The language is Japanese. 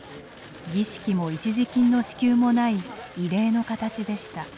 儀式も一時金の支給もない異例の形でした。